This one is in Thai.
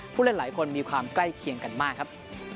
ผู้เล่นหลายคนมีความใกล้เคียงกันมากครับ